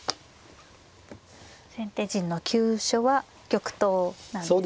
先手陣の急所は玉頭なんですね。